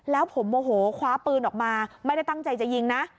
แล้วผมโมโหคว้าปืนออกมาไม่ได้ตั้งใจจะยิงนะ